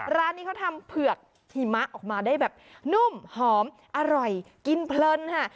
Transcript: ร้านนี้เขาทำเผือกหิมะออกมาได้แบบนุ่มหอมอร่อยกินเพลินค่ะ